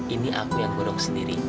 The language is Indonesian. ini aku yang godong sendiri